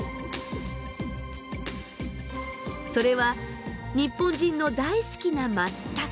それは日本人の大好きなまつたけ。